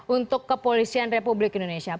untuk kepolisian republik indonesia